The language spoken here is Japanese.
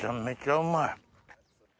うまい！